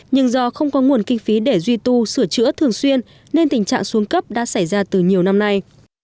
nhưng do không có nguồn kinh phí để duy tu sửa chữa thường xuyên nên tình trạng xuống cấp đã xảy ra từ nhiều năm nay